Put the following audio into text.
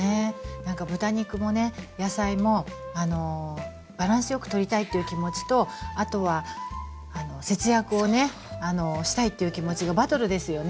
なんか豚肉もね野菜もバランスよくとりたいという気持ちとあとは節約をねしたいという気持ちがバトルですよね。